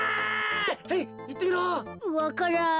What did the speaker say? わからん！